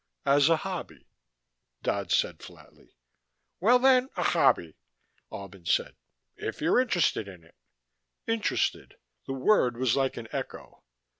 "As a hobby," Dodd said flatly. "Well, then, a hobby," Albin said. "If you're interested in it." "Interested." The word was like an echo.